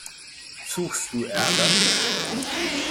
Suchst du Ärger?